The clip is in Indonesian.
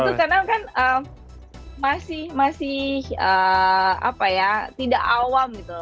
itu karena kan masih apa ya tidak awam gitu